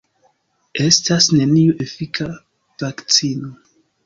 Estas neniu efika vakcino.